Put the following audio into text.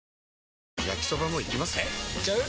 えいっちゃう？